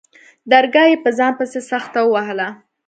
درگاه يې په ځان پسې سخته ووهله.